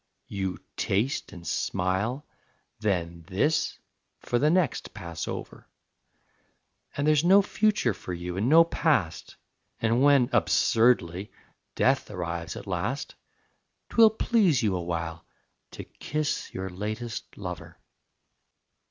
You taste and smile, then this for the next pass over; And there's no future for you and no past, And when, absurdly, death arrives at last, 'Twill please you awhile to kiss your latest lover.